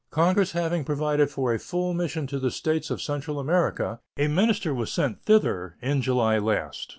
Congress having provided for a full mission to the States of Central America, a minister was sent thither in July last.